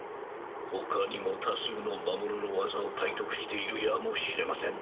他にも多数の魔物の技を体得しているやもしれません。